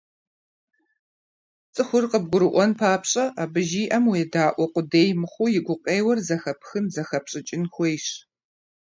ЦӀыхур къыбгурыӀуэн папщӀэ, абы жиӏэм уедаӀуэ къудей мыхъуу, и гукъеуэр зэхэпхын, зэхэпщӏыкӏын хуейщ.